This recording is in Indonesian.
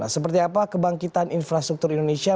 seperti apa kebangkitan infrastruktur indonesia